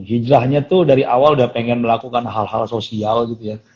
hijrahnya tuh dari awal udah pengen melakukan hal hal sosial gitu ya